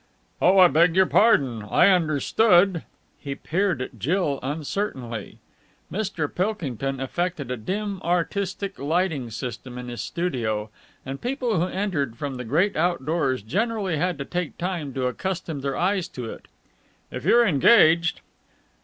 "Oh, I beg your pardon! I understood...." He peered at Jill uncertainly. Mr. Pilkington affected a dim, artistic lighting system in his studio, and people who entered from the great outdoors generally had to take time to accustom their eyes to it. "If you're engaged...."